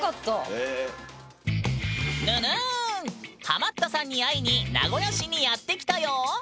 ハマったさんに会いに名古屋市にやって来たよ！